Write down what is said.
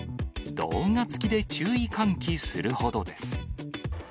動画付きで注意喚起するほどです。